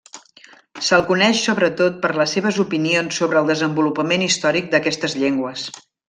Se'l coneix sobretot per les seves opinions sobre el desenvolupament històric d'aquestes llengües.